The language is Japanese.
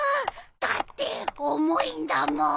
だって重いんだもん。